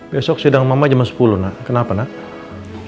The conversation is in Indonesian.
besok sidang mama jam sepuluh nak kenapa nak